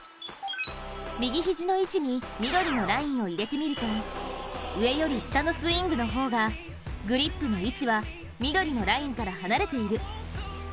右ひじの位置に緑のラインを入れてみると上より下のスイングの方がグリップの位置は緑のラインから離れているる